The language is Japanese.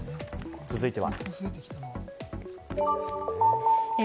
続いては。